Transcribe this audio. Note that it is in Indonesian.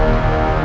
tuanku cuma pilihan